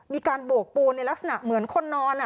มีการโบกปูนในลักษณะเหมือนคนนอน